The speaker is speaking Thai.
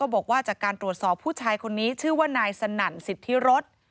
บอกว่าจากการตรวจสอบผู้ชายคนนี้ชื่อว่านายสนั่นสิทธิรส